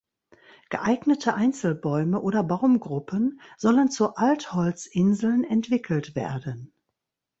Geeignete Einzelbäume oder Baumgruppen sollen zu Altholzinseln entwickelt werden.